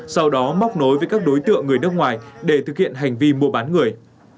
sau đó móc nối với các đối tượng người nước ngoài để thực hiện hành vi mua bán người